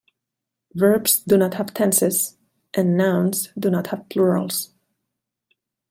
Verbs do not have tenses, and nouns do not have plurals.